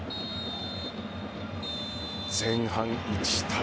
前半１対０。